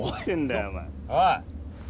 おい。